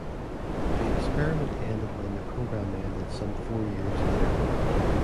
The experiment ended when the program ended some four years later.